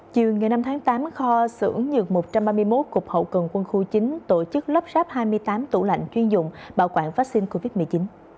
chiều ngày năm tháng tám kho sử ứng nhược một trăm ba mươi một cục hậu cần quân khu chính tổ chức lấp ráp hai mươi tám tủ lạnh chuyên dụng bảo quản vaccine covid một mươi chín